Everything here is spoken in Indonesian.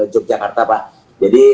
yogyakarta pak jadi